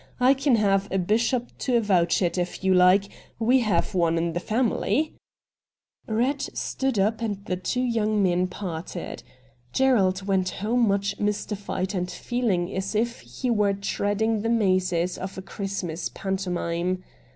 I can have a bishop to avouch it if you like — we have one in the family.' AN INTERVIEW WITH MR. RATT GUNDY 247 Eatt stood up and the two young men parted. Gerald went home much mystified and feehng as if he were treading the mazes of a Christmas pantomime.